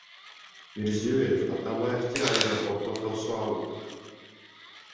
Мирзиёев Атамбаевди аэропорттон тосуп алды.